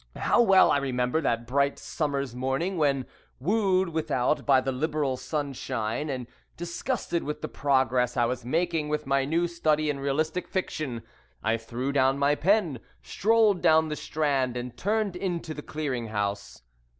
How well I remember that bright summer's morning when, wooed without by the liberal sunshine, and disgusted with the progress I was making with my new study in realistic fiction, I threw down my pen, strolled down the Strand, and turned into the Clearing House.